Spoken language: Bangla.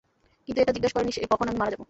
কিন্তু এটা জিগাস করে নি কখন আমি মারা যাবো।